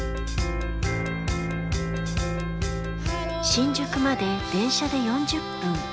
新宿まで電車で４０分。